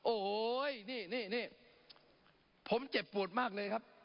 โอ้โหนี่ผมเจ็บปวดมากเลยครับ